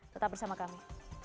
tetap bersama kami